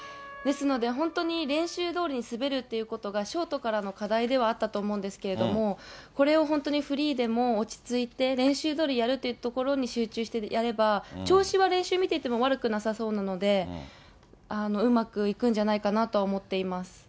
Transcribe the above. ですので本当に練習どおりに滑るということがショートからの課題ではあったと思うんですけれども、これを本当にフリーでも落ち着いて練習どおりやるっていうところに集中してやれば、調子は練習見ていても悪くなさそうなので、うまくいくんじゃないかなとは思っています。